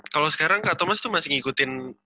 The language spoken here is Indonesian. kalau sekarang kaka thomas itu masih ngikutin